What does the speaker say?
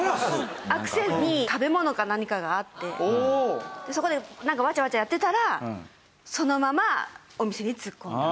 アクセルに食べ物か何かがあってそこでなんかわちゃわちゃやってたらそのままお店に突っ込んだ。